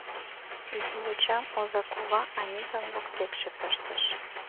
Изи йочам оза кува Анитан воктекше пыштыш.